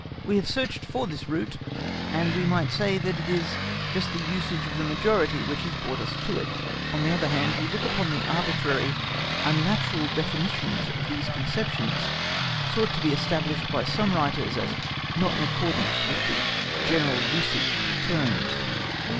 We have searched for this root, and we might say that it is just the usage of the majority which has brought us to it. On the other hand, we look upon the arbitrary, unnatural definitions of these conceptions sought to be established by some writers as not in accordance with the general usage of the terms.